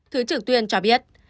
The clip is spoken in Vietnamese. thứ trưởng tuyên cho biết